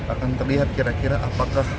akan terlihat kira kira apakah